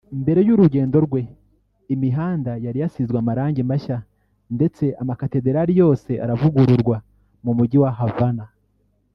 Mbere y’urugendo rwe imihandayari yasizwe amarangi mashya ndetse amakatedarali yose aravugururwa mu mujyi wa Havana